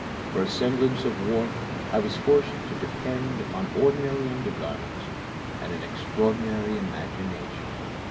For a semblance of warmth I was forced to depend upon ordinary undergarments and an extraordinary imagination.